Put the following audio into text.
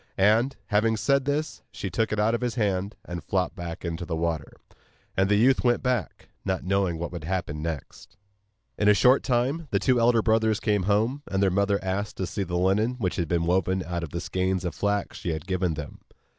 And, having said this, she took it out of his hand, and flopped back into the water, and the youth went back, not knowing what would happen next. In a short time the two elder brothers came home, and their mother asked to see the linen which had been woven out of the skeins of flax she had given them.